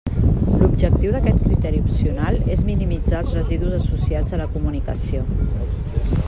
L'objectiu d'aquest criteri opcional és minimitzar els residus associats a la comunicació.